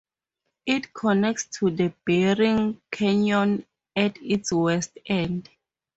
It connects to the Bering Canyon at its west end.